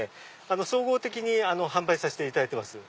総合的に販売させていただいてます。